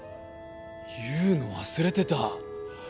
言うの忘れてた！